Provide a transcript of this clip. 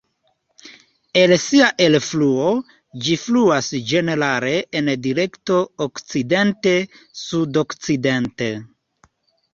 El sia elfluo, ĝi fluas ĝenerale en direkto okcidente-sudokcidente.